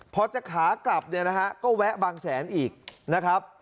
พอจะขากลับก็แวะบางแสนอีกนะครับ